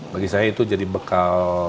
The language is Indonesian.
bagi saya itu jadi bekal